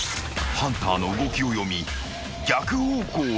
［ハンターの動きを読み逆方向へ］